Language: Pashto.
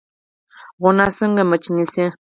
غڼه څنګه مچ نیسي؟